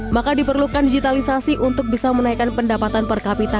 maka diperlukan digitalisasi untuk bisa menaikkan pendapatan per kapita